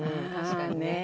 確かにね。